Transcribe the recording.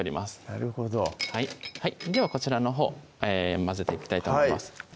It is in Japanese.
なるほどではこちらのほう混ぜていきたいと思います